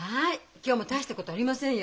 今日も大したことありませんよ。